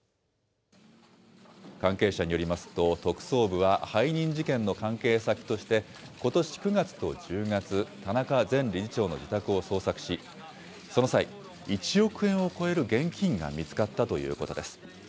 関係者によりますと、特捜部は背任事件の関係先として、ことし９月と１０月、田中前理事長の自宅を捜索し、その際、１億円を超える現金が見つかったということです。